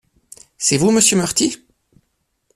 C’est vous monsieur Murthy ?